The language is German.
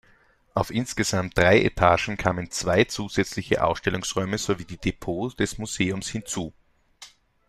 Auf insgesamt drei Etagen kamen zwei zusätzliche Ausstellungsräume sowie die Depots des Museums hinzu.